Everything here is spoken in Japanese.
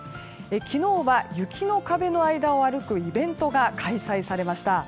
昨日は雪の壁の間を歩くイベントが開催されました。